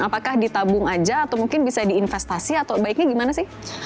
apakah ditabung aja atau mungkin bisa diinvestasi atau baiknya gimana sih